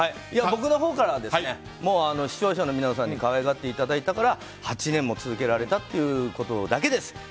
僕のほうからはもう視聴者の皆さんに可愛がっていただいたから８年も続けられたということだけです。